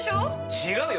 違う。